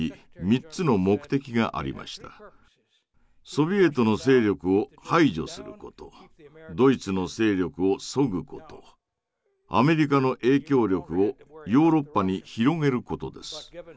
ソビエトの勢力を排除することドイツの勢力をそぐことアメリカの影響力をヨーロッパに広げることです。